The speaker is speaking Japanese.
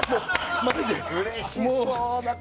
うれしそうな顔！